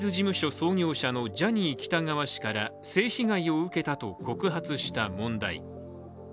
創業者のジャニー喜多川氏から性被害を受けたと告発した問題。